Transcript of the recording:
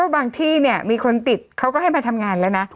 บางที่เนี่ยมีคนติดเขาก็ให้มาทำงานแล้วนะ